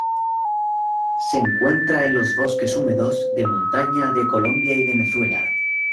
Se encuentra en los bosques húmedos de montaña de Colombia y Venezuela.